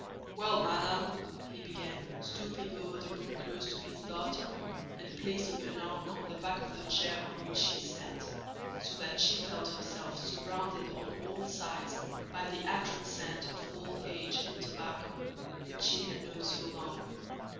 "Well, madam," he began, stooping over the book close to his daughter and placing an arm on the back of the chair on which she sat, so that she felt herself surrounded on all sides by the acrid scent of old age and tobacco, which she had known so long.